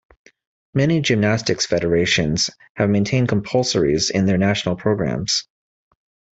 Many gymnastics federations have maintained compulsories in their national programs.